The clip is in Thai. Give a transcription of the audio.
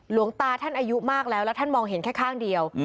หลวงตาท่านอายุมากแล้วแล้วท่านมองเห็นแค่ข้างเดียว